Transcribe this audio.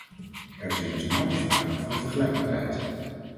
Er is immers nauwelijks sprake van vergelijkbaarheid.